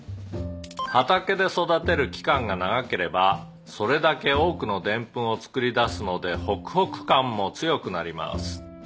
「畑で育てる期間が長ければそれだけ多くのデンプンを作り出すのでホクホク感も強くなります」